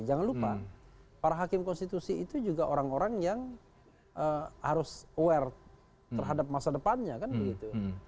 jangan lupa para hakim konstitusi itu juga orang orang yang harus aware terhadap masa depannya kan begitu